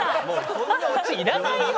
そんなオチいらないよ